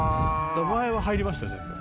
「前は入りましたよ全部」